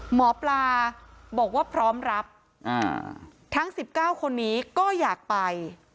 หมอปลาบอกว่าพร้อมรับอ่าทั้งสิบเก้าคนนี้ก็อยากไป